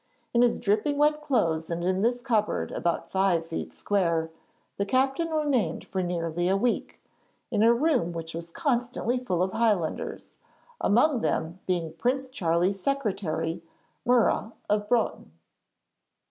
In his dripping wet clothes and in this cupboard about five feet square, the captain remained for nearly a week, in a room which was constantly full of Highlanders, among them being Prince Charlie's secretary, Murray of Broughton.